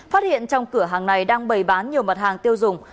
phát hiện trong cửa hàng này đang bày bán nhiều mặt hàng tiêu dùng